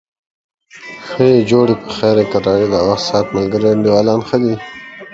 I've got a little rollout plastic sheet I put on the ground.